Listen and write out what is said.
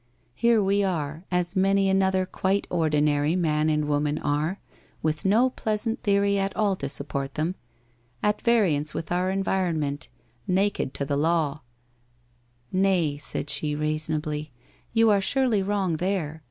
Here we are, as many another quite ordi nary man and woman are, with no pleasant theory at all to support them — at variance with our environment, naked to the law ' 'Nay/ said she, reasonably. 'You are surely wrong there.